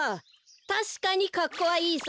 たしかにかっこはいいさ。